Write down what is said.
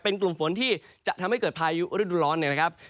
เป็นกลุ่มฝนที่จะทำให้เกิดพายุฤดูร้อนเนี่ยนะครับ